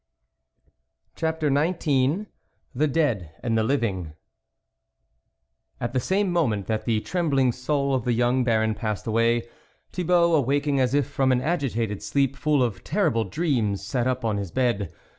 CHAPTER XIX THE DEAD AND THE LIVING AT the same moment that the trem bling soul of the young Baron pas sed away, Thibault, awaking as if from an agitated sleep full of terrible dreams, sat up in his bed.